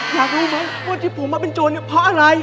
อยากรู้ไหมว่าที่ผมมาเป็นโจรเนี่ยเพราะอะไร